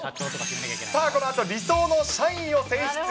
さあこのあと、理想の社員を選出。